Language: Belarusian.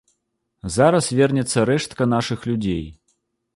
Зараз вернецца рэштка нашых людзей.